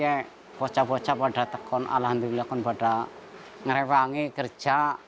jadi dia baca baca pada saat itu alhamdulillah pada saat itu dia merawangi kerja